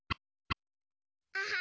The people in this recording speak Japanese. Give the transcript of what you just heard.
アハハ！